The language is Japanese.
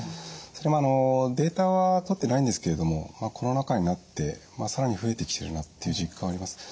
それもデータはとってないんですけれどもコロナ禍になって更に増えてきてるなっていう実感はあります。